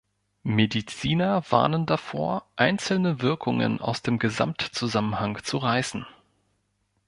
Mediziner warnen davor, einzelne Wirkungen aus dem Gesamtzusammenhang zu reißen.